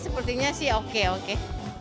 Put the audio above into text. sepertinya sih oke oke